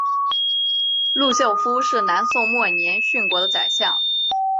陆秀夫是南宋末年殉国的宰相。